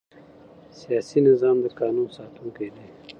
سیاسي نظام د قانون ساتونکی دی